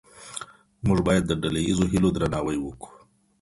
موږ باید د ډله ییزو هیلو درناوی وکړو.